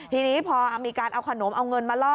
ทีนี้พอมีการเอาขนมเอาเงินมาล่อ